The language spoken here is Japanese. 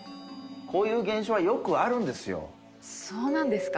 こういう現象はよくあるんですよそうなんですか？